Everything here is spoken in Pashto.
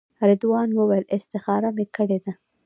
رضوان وویل استخاره مې کړې ده.